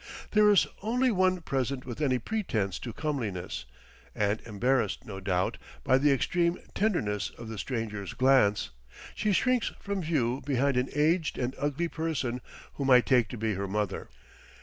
There is only one present with any pretence to comeliness; and embarrassed, no doubt, by the extreme tenderness of the stranger's glance, she shrinks from view behind an aged and ugly person whom I take to be her mother.